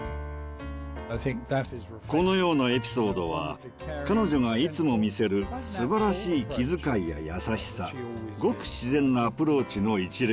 このようなエピソードは彼女がいつも見せるすばらしい気遣いや優しさごく自然なアプローチの一例です。